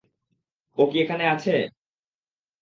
ও কি এখানে আছে?